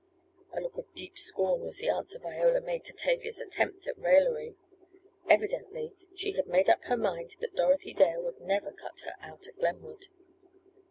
A look of deep scorn was the answer Viola made to Tavia's attempt at raillery. Evidently she had made up her mind that Dorothy Dale would never "cut her out" at Glenwood.